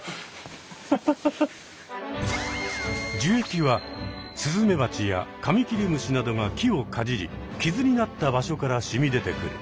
樹液はスズメバチやカミキリムシなどが木をかじり傷になった場所からしみ出てくる。